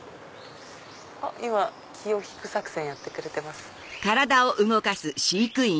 今気を引く作戦やってくれてます。